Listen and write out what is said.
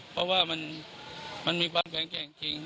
เพราะว่ามันมีความแข็งแกร่งจริง